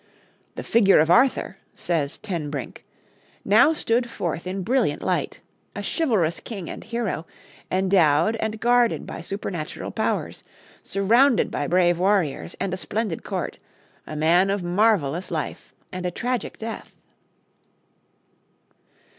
"The figure of Arthur," says Ten Brink, "now stood forth in brilliant light, a chivalrous king and hero, endowed and guarded by supernatural powers, surrounded by brave warriors and a splendid court, a man of marvelous life and a tragic death."